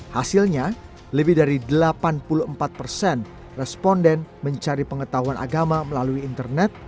hasilnya lebih dari delapan puluh empat persen responden mencari pengetahuan agama melalui internet